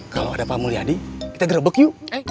kalau ada pak mulyadi kita gerebek yuk